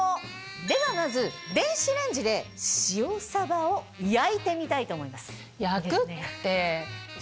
ではまず電子レンジで塩サバを焼いてみたいと思います。